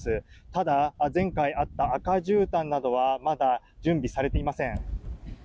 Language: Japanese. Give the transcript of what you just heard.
ただ、前回あった赤じゅうたんなどはまだ準備されていません。